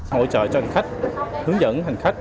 hỗ trợ cho hành khách hướng dẫn hành khách